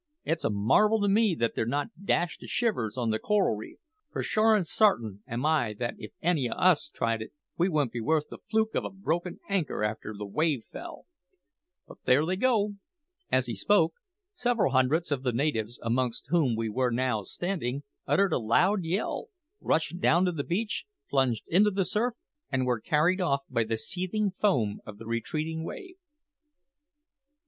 It's a marvel to me that they're not dashed to shivers on the coral reef, for sure an' sart'in am I that if any o' us tried it, we wouldn't be worth the fluke of a broken anchor after the wave fell. But there they go!" As he spoke, several hundreds of the natives, amongst whom we were now standing, uttered a loud yell, rushed down the beach, plunged into the surf, and were carried off by the seething foam of the retreating wave.